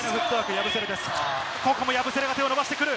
ここもヤブセレが手を伸ばしてくる。